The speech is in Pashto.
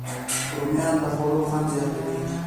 رومیان د خوړو خوند زیاتوي